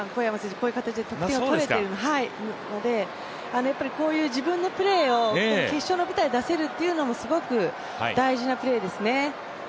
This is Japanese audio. こういう形で得点を取れているので、やっぱりこういう自分のプレーを決勝の舞台で出せるというのもすごく大事なプレーですね。